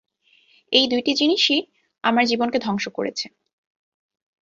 এই দুটি জিনিসই আমার জীবনকে ধ্বংস করেছে।